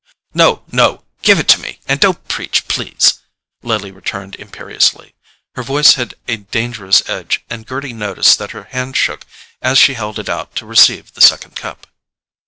"No, no—give it to me; and don't preach, please," Lily returned imperiously. Her voice had a dangerous edge, and Gerty noticed that her hand shook as she held it out to receive the second cup.